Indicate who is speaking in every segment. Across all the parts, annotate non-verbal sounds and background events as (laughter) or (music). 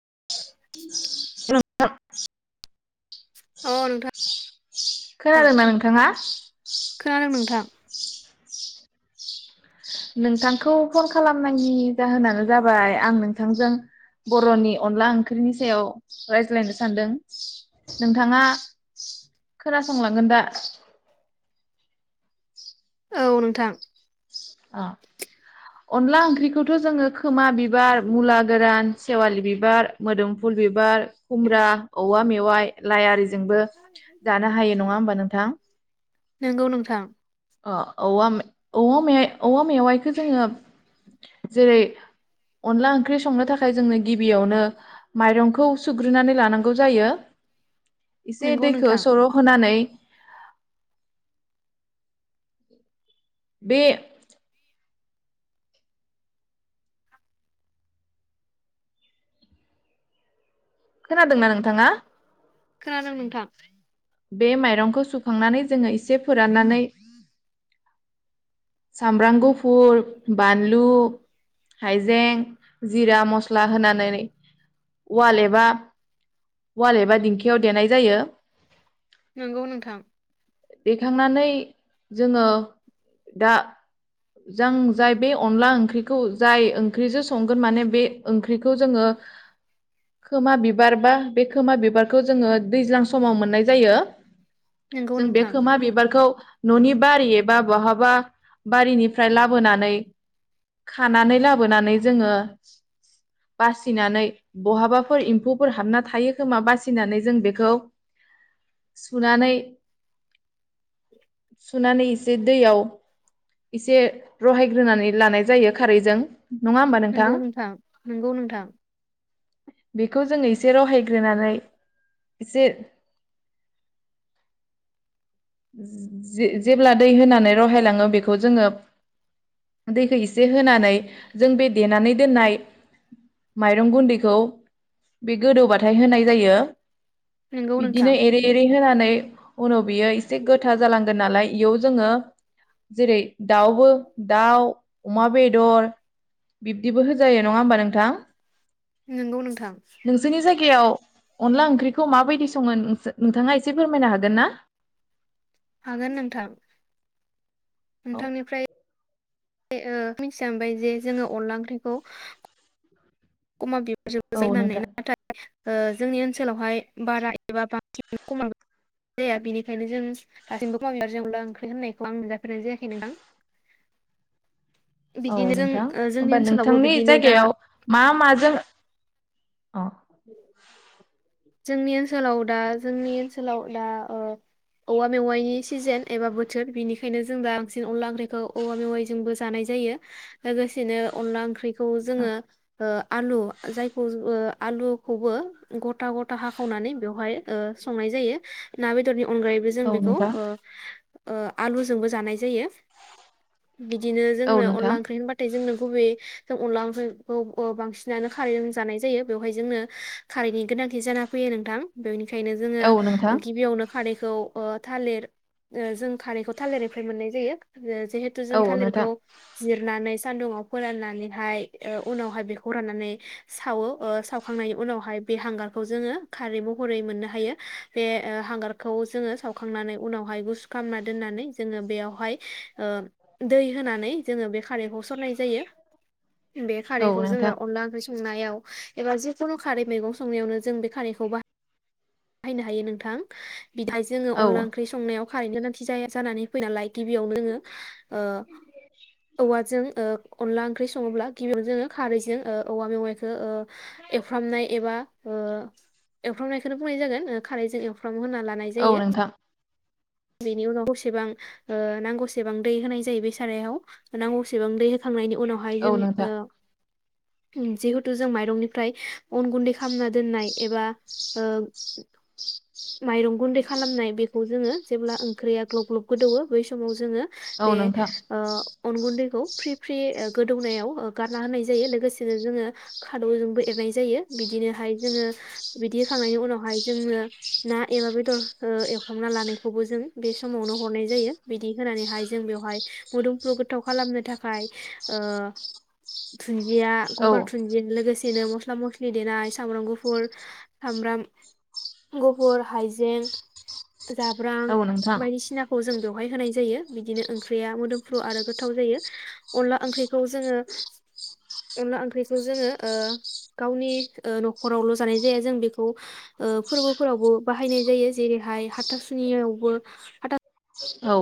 Speaker 1: (unintelligible)
Speaker 2: अ नोंथां
Speaker 1: खोनादों ना नोंथाङा?
Speaker 2: खोनादों नोंथां
Speaker 1: नोंथांखौ फन खालामनायनि जाहोनानो जाबाय आं नोंथांजों बर'नि अनला ओंख्रिनि सायाव रायज्लायनो सानदों नोंथाङा खोनासंलांगोन दा?
Speaker 2: औ नोंथां ।
Speaker 1: अ अनला ओंख्रिखौथ जोङो खोमा बिबार मुला गोरान सेवालि बिबार मोदोमफुल बिबार खुमब्रा औवा मेवाइ लाइ आरि ज जोंबो जानो हायो नङा होमबा नोंथां ।
Speaker 2: नंगौ नोंथां ।
Speaker 1: अ औवा मे औवा मेवाइखौ जोङो जेरै अनला ओंख्रि संनो थाखाय जोंङनो गिबियावनो माइरंखौ सुग्रोनानै लानांगौ जायो । एसे
Speaker 2: नंगौ
Speaker 1: दैखौ
Speaker 2: नोंथां
Speaker 1: सर होनानै बे खोनादोंना नोंथाङा?
Speaker 2: खोनादों मोनथां ।
Speaker 1: बे माइरंखौ सुखांनानै जोङो एसे फोराननानै सामब्राम गुफुर, बानलु, हायजें, जिरा मस्ला होनानै उवाल एबा उवाल एबा दिंखियाव देनाय जायो।
Speaker 2: नंगौ नोंथां ।
Speaker 1: थांनानै जोङो दा जों जाय बे अनला ओंख्रिखौ जाय ओंख्रिजों संगोन माने बे ओंख्रिखौ जोङो खोमा बिबार बा बे खोमा बिबारखौ जोङो दैज्लां समाव मोननाय जायो।
Speaker 2: नंगौ
Speaker 1: जों बे
Speaker 2: नोंथां
Speaker 1: खोमा बिबारखौ ननि बारिबा बहाबा बारिनि फ्राय लाबोनानै खानानै लाबोनानै जोङो बासिनानै बहाबाफोर एम्फौफोर हाबना थायो खोमा बासिनानै जों बेखौ सुनानै सुनानै एसे दैयाव एसे रहायग्रोनानै लानाय जायो खारैजों ।
Speaker 2: नंगौ नोंथां नंगौ नोंथां।
Speaker 1: बेखौ जोङो एसे रहायग्रोनानै एसे जे जेब्ला दै होनानै रहायलाङो बेखौ जोङो दैखौ एसे होनानै जों बे देनानै दोननाय माइरं गुन्दैखौ बे गोदौबाथाय होनाय जायो।
Speaker 2: नंगौ नोंथां
Speaker 1: बिदिनो एरै एरै होनानै उनाव बियो एसे गोथा जालांगोन नालाय इयाव जोङो जेरै दाउबो दाउ अमा बेदर बिब्दिबो होजायो नङा होमबा नोंथां?
Speaker 2: नंगौ नोंथां
Speaker 1: नोंसोरनि जायगायाव अनला ओंख्रिखौ माबायदि सङो नोंथाङा एसे फोरमायनो हागोन ना?
Speaker 2: हागोन नोंथां ।
Speaker 1: औ
Speaker 2: नोंथांनिफ्राय (unintelligible) जे जोङो अनला ओंख्रिखौ खोमा बिबारजोबो
Speaker 1: औ
Speaker 2: (unintelligible)
Speaker 1: नोंथां
Speaker 2: नाथाय ओ जोंनि ओनसोलावहाय बारा एबा बांसिन खोमा बिबार (inaudible) जाया बेनिखायनो जों दासिमबो खोमा बिबारजों अनला ओंख्रि होननायखौ आं मोनजाफेरनाय जायाखै नोंथां।
Speaker 1: औ
Speaker 2: बिदिनो जों
Speaker 1: नोंथां
Speaker 2: ओ जोंनि
Speaker 1: होमबा
Speaker 2: ओनसोलावबो
Speaker 1: नोंथांनि
Speaker 2: बिदिनो दा
Speaker 1: जायगायाव मा मा जों अ ।
Speaker 2: जोंनि ओनसोलाव दा जोंनि ओनसोलाव दा ओ औवा मेवाइनि सिजेन एबा बोथोर बेनिखायनो जों दा बांसिन अनला ओंख्रिखौ औवा मेवाइजोंबो जानाय जायो लोगोसेनो अनला ओंख्रि खौ जोंङो ओ आलु जायखौ आलुखौबो ग था गथा हाखावनानै बेवहाय ओ संनाय जायो ना बेदरनि अनगायैबो जों
Speaker 1: औ
Speaker 2: बेखौ
Speaker 1: नोंथां
Speaker 2: ओ ओ आलुजोंबो जानाय जायो। बिदिनो
Speaker 1: औ
Speaker 2: जोंनो
Speaker 1: नोंथां
Speaker 2: अनला ओंख्रि होनबाथाय जोंनो गुबै जों अनला ओंख्रिखौ बांसिनानो खारैजों जानाय जायो बेवहाय जोंनो खारैनि गोनां थि जाना फैयो नोंथां बे खायनो जोंङो
Speaker 1: औ नोंथां
Speaker 2: गिबियावनो खारैखौ ओ थालिर ओ जों खारैखौ थालिरनिफ्राय मोननाय जायो। जेहेथु जों
Speaker 1: औ नोंथां
Speaker 2: थालिरखौ जिरनानै सानदुंआव फोराननानैहाय ओ उनावहाय बेखौ फोराननानै सावो ओ सावखांनायनि उनावहाय बे हांगार खौ जोंङो खारै महरै मोननो हायो। बे ओ हांगारखौ जोंङो सावखांनानै उनावहाय गुसु खामना दोननानै जोंङो बेयावहाय ओ दै होनानै जोंङो बेख खारैखौ सरनाय जायो। बे
Speaker 1: औ
Speaker 2: खारै जोंङो
Speaker 1: नोंथां
Speaker 2: अनला ओंख्रि स नायाव एबा जिखुनु खारै मैगं संनायावनो जों बे खारै खौ बा हायनो हायो नोंथां। बिथाय जोंङो
Speaker 1: औ
Speaker 2: अनला ओंख्रि संनायाव खारै गोनांथि जाया जानानै फैनालाय गिबियावनो जोंङो ओ औवाजों ओ अनला ओंख्रि संङोब्ला गिबियावनो जोंङो खारैजों ओ औवा मेवाइखौ ओ एवफ्रामनाय एबा ओ एवफ्रामनायखौनो बुंनाय जागोन ओ खारैजों एवफ्राम हुना लानाय
Speaker 1: औ
Speaker 2: जायो।
Speaker 1: नोंथां
Speaker 2: बेनि उनाव बसेबां नांगौसेबां दै होनाय जायो बे सारायाव नांगौसेबां दै खांनायनि उनावहाय जों
Speaker 1: औ नोंथां
Speaker 2: ओ उम जिहेथु जों माइरंनिफ्राय अन गुन्दै खालामना दोननाय एबा ओ माइरं गुन्दै खालामनाय बेखौ जोंङो जेब्ला ओंख्रिया ग्लब-ग्लब गोदोवो बै समाव जोंङो
Speaker 1: औ
Speaker 2: बे
Speaker 1: नोंथां
Speaker 2: ओ अन गुन्दैखौ फ्रि-फ्रि ओ गोदौनायाव ओ गारना होनाय जायो। लोगोसेनो जोंङो खादौजोंबो एरनाय जायो बिदिनोहाय जोंङो बिदि होखांनायनि उनावहाय जोंनो ना एबा बेदर हो एवखांना लानाय खौबो जों बे समावनो हरनाय जायो। बिदि होनानैहाय जों बेवहाय मोदोमफ्रु गोथाव खालामनो थाखाय ओ दुनन्दिया
Speaker 1: औ
Speaker 2: गंगार थुन्दिया लोगोसे दिनो मस्ला मुस्लि देनाय सामब्राम गुफुर सामब्राम गुफुर हायजें जा खुमब्रां
Speaker 1: औ नोंथां
Speaker 2: बायदिसिनाखौ जों बेवहाय होनाय जायो बिदिनो ओंख्रैया मोदोमफ्रो आरो गोथाव जायो अनला ओंख्रैखौ जोङो अनला ओंख्रैखौ जोङो ओ गावनि ओ न'खरावल' जानाय जाया जों बेखौ ओ फोरबो फोरावबो बाहायनाय जायो जेरैहाय हाथा सो सोनियावबो हाथा
Speaker 1: औ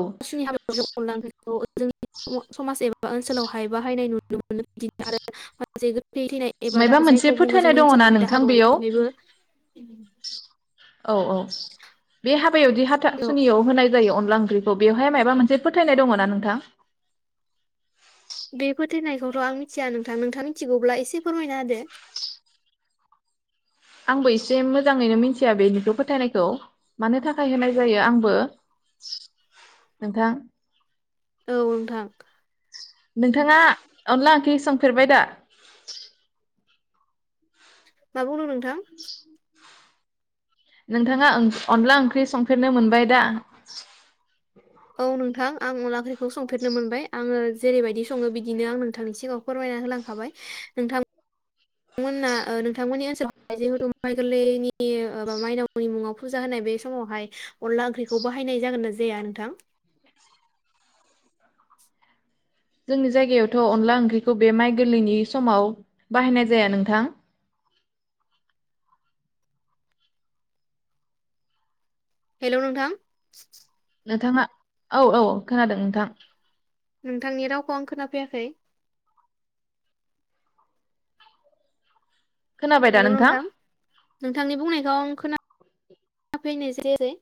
Speaker 2: जों अनला ओंख्रैखौ जोंनि समाज एबा ओनसोलावहाय बाहायनाय नुनो मोनो बिदिनो आरो (unintelligible) थैनाय एबा दा
Speaker 1: मायबा मोनसे
Speaker 2: जायखौ बुङो
Speaker 1: फोथायनाय
Speaker 2: जोंनि
Speaker 1: दङना
Speaker 2: ओनसोलावहाय
Speaker 1: नोंथां बेयाव
Speaker 2: दाहाबावनाय बेहायबो ओम
Speaker 1: औ औ बे हाबा बेयावदि हाथा
Speaker 2: औ
Speaker 1: सुनियाव होनाय जायो अनला ओंख्रैखौ बेयावहाय मायबा मोनसे फोथायनाय दङ'ना नोंथां?
Speaker 2: बे फोथायनायखौथ' आं मिथिया नोंथां नोंथाङा मिथिगौब्ला एसे फोरमायना होदो।
Speaker 1: आंबो एसे मोजाङैनो मिथिया बेनिखौ फोथायनायखौ मानो थाखाय होनाय जायो आंबो नोंथां
Speaker 2: औ नोंथां
Speaker 1: नोंथाङा अनला ओंख्रि सोंफेरबाय दा?
Speaker 2: मा बुंदों नोंथां?
Speaker 1: नोंथाङा अनला ओंख्रि संफेरनो मोनबाय दा
Speaker 2: औ नोंथां आं अनला ओंख्रिखौ संफेरनो मोनबाय आङो जेरैबायदि सङो बिदिनो आं नोंथांनि सिगाङाव फोरमायना होलांखाबाय नोंथां नोंथांमोना ओ नोंथांमोननि ओनसोलावहाय जिहेतु माइ गोरलैनि माइनावनि मुङाव फुजा होनाय बे समावहाय अनला ओंख्रिखौ बाहायनाय जागोन ना जाया नोंथां?
Speaker 1: जोंनि जायगायावथ' अनला ओंख्रिखौ बे माइ गोरलैनि समाव बाहायनाय जाया नोंथां।
Speaker 2: हेल' नोंथां
Speaker 1: नोंथाङा औ औ खोनादों नोंथां
Speaker 2: नोंथांनि रावखौ आं खोनाफैयाखै
Speaker 1: खोनाबाय दा
Speaker 2: हेलौ नोंथां नोंथांनि बुंनायखौ खोना फैनाय जैयासै